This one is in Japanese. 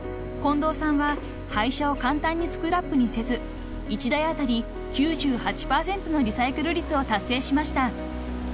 ［近藤さんは廃車を簡単にスクラップにせず１台当たり９８％のリサイクル率を達成しました］